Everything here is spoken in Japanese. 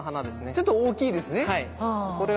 ちょっと大きいですね。